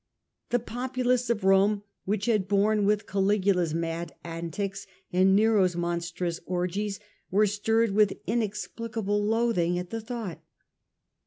The populace of Rome, which had borne with Caligula's mad antics and Nero's monstrous orgies, were stirred with inexplicable loathing at the thought.